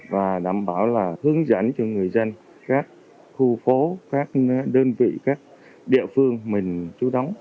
và đảm bảo là hướng dẫn cho người dân các khu phố các đơn vị các địa phương mình chú đáo